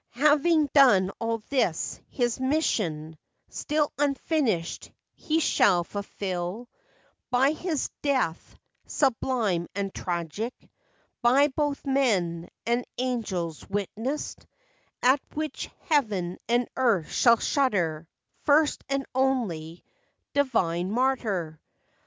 Having done all this, his mission, Still unfinished, he shall fulfill By his death, sublime and tragic, By both men and angels witnessed, At which heaven and earth shall shudder— First, and only, Divine Martyr